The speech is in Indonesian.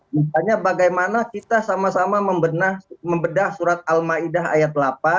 misalnya bagaimana kita sama sama membedah surat al ma'idah ayat delapan